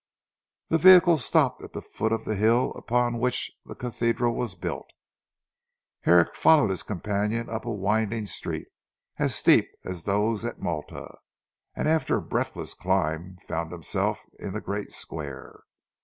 The vehicle stopped at the foot of the hill upon which the cathedral was built. Herrick followed his companion up a winding street, as steep as those at Malta, and after a breathless climb found himself in the great square.